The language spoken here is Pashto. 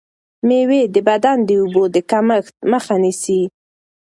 مېوې د بدن د اوبو د کمښت مخه نیسي.